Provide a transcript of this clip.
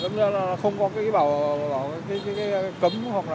nó không có bảo cấm hoặc quảng báo để cho người ta biết sâu lông như thế nào